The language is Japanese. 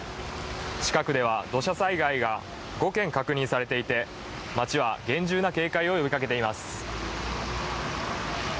近くでは土砂災害が５件確認されていて町は厳重な警戒を呼びかけています。